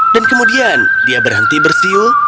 dan kemudian dia berhenti bersiul